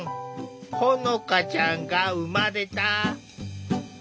ほのかちゃんが生まれた。